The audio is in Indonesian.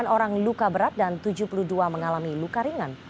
sembilan orang luka berat dan tujuh puluh dua mengalami luka ringan